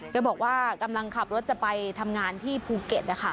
ก็บอกว่ากำลังขับรถจะไปทำงานที่ภูเก็ตนะคะ